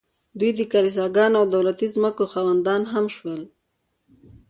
دوی د کلیساګانو او دولتي ځمکو خاوندان هم شول